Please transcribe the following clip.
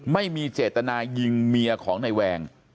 ไม่มีเจตนายิงเมียของนายแวง